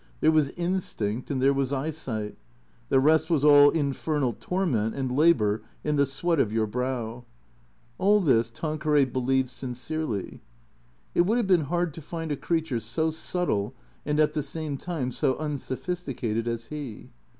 There was instinct, and there was eyesight. The rest was all infernal torment and labour in the sweat of your brow. All this Tanqueray believed sincerely. It would have been hard to find a creature so subtle and at the same time so unsophisticated as he.